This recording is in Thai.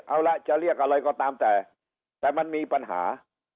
เอาละจะเรียกอะไรก็ตามแต่แต่มันมีปัญหา